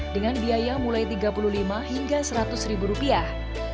dengan biaya mulai tiga puluh lima hingga seratus ribu rupiah